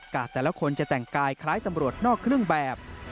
แต่ละคนจะแต่งกายคล้ายตำรวจนอกเครื่องแบบ